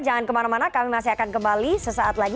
jangan kemana mana kami masih akan kembali sesaat lagi